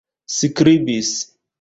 skribis